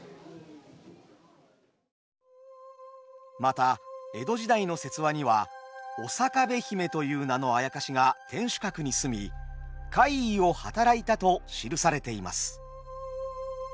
また江戸時代の説話にはおさかべ姫という名のあやかしが天守閣に棲み怪異をはたらいたと記されています。